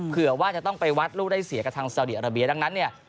เผื่อว่าจะต้องไปวัดลูกได้เสียกับทางซาวดีอาราเบียดังนั้นเนี่ย